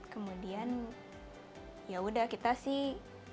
kemudian ya udah kita sih